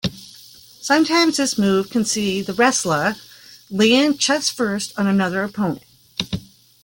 Sometimes this move can see the wrestler land chest-first on "another" opponent.